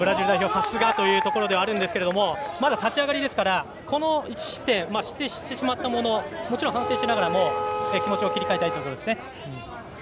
さすがというところではあるんですけどまだ立ち上がりなのでこの１失点失点してしまったものはもちろん反省しながらも気持ちを切り替えたいところですね。